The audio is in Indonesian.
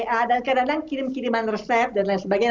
dan kadang kadang kirim kiriman resep dan lain sebagainya